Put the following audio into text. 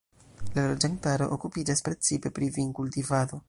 La loĝantaro okupiĝas precipe pri vinkultivado.